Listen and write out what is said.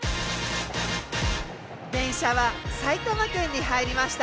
電車は埼玉県に入りました。